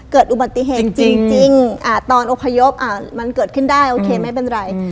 เกิดอุบัติเหตุจริงตอนอพยพมันเกิดขึ้นได้โอเคไม่เป็นไร